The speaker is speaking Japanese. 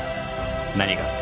何がって？